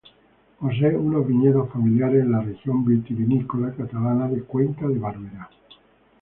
Posee unos viñedos familiares en la región vitivinícola catalana de Cuenca de Barberá.